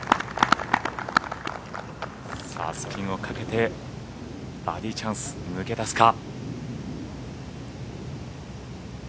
スピンをかけてバーディーチャンス抜け出すか。